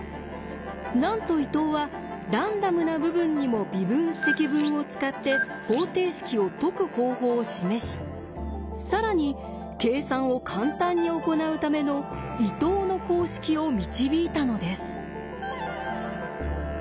なんと伊藤はランダムな部分にも微分・積分を使って方程式を解く方法を示し更に計算を簡単に行うための「伊藤の公式」を導いたのです。